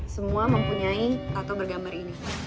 semua mempunyai atau bergambar ini